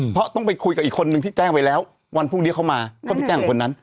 เพราะต้องไปคุยกับอีกคนนึงที่แจ้งไปแล้ววันพรุ่งนี้เขามาก็ไปแจ้งคนนั้น